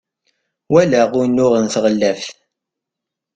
walaɣ unuɣ n tɣellaft